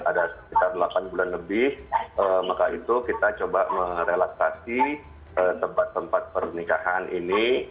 ada sekitar delapan bulan lebih maka itu kita coba merelaksasi tempat tempat pernikahan ini